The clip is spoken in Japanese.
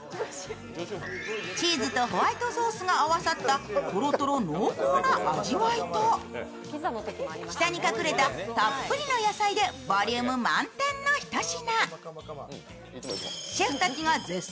チーズとホワイトソースが合わさったとろとろ濃厚な味わいと下に隠れたたっぷりの野菜でボリューム満点の一品。